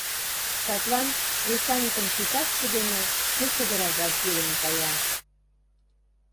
Садлан кресаньыкын титакше дене шке чодыражат йӱлен кая.